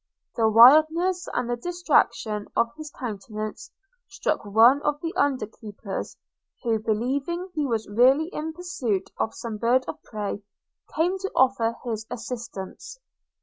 The wildness and the distraction of his countenance struck one of the under keepers, who, believing he was really in pursuit of some bird of prey, came to offer his assistance.